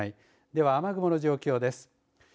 では、雨雲の状況です。